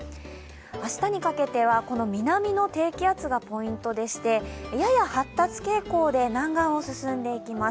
明日にかけては、南の低気圧がポイントでしてやや発達傾向で南岸を進んでいきます。